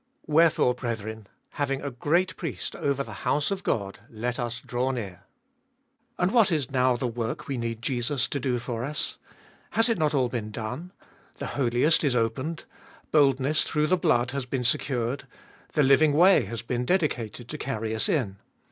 Wherefore, brethren, having a great Priest over the house of God, let us draw near. And what is now the work we need Jesus to do for us ? Has it not all been done ? The Holiest is opened. Boldness through the blood has been secured. The living way has been dedicated to carry us in.